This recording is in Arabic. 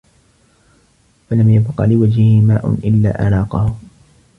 فَلَمْ يَبْقَ لِوَجْهِهِ مَاءٌ إلَّا أَرَاقَهُ